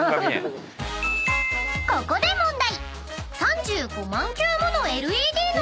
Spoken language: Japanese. ［ここで問題］